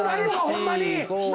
ホンマに！